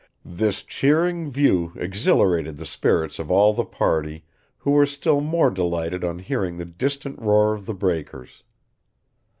This cheering view exhilarated the spirits of all the party, who were still more delighted on hearing the distant roar of the breakers."